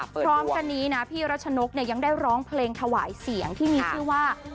พร้อมกันนี้นะพี่รัชนกเนี่ยยังได้ร้องเพลงถวายเสียงที่มีชื่อว่า